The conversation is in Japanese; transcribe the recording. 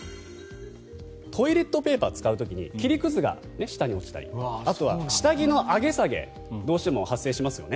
トイレットペーパーを使う時に切りくずが下に落ちたりあとは下着の上げ下げどうしても発生しますよね。